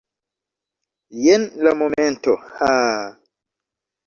Jen la momento! Haa!